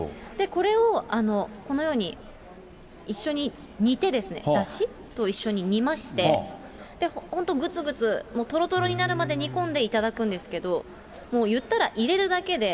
これをこのように一緒に煮て、だしと一緒に煮まして、本当、ぐつぐつ、とろとろになるまで煮込んでいただくんですけれども、もう言ったら入れるだけで。